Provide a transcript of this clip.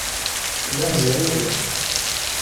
Llan zririn.